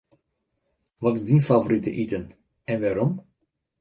Wat is dyn favorite iten en wêrom?